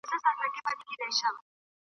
هسي نه سبا پښېمانه سی یارانو .